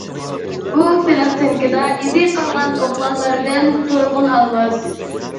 بۇ پىلاستىنكىدا ئىزى قالغان ئوغلانلاردىن تۇرغۇن ئالماس.